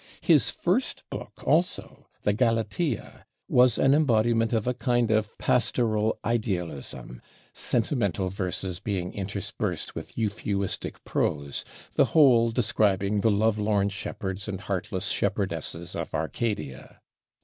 His first book also, the 'Galatea,' was an embodiment of a kind of pastoral idealism: sentimental verses being interspersed with euphuistic prose, the whole describing the lovelorn shepherds and heartless shepherdesses of Arcadia.